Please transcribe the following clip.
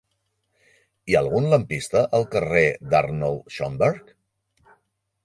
Hi ha algun lampista al carrer d'Arnold Schönberg?